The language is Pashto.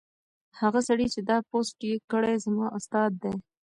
هغه سړی چې دا پوسټ یې کړی زما استاد دی.